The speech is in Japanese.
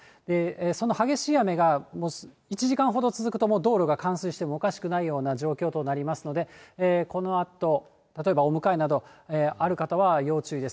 その激しい雨が１時間ほど続くともう道路が冠水してもおかしくないような状況となりますので、このあと、例えばお迎えなどある方は要注意です。